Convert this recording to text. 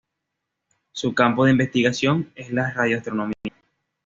Su campo de investigación es la radioastronomía.